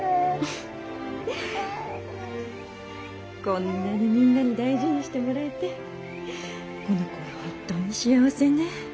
こんなにみんなに大事にしてもらえてこの子は本当に幸せね。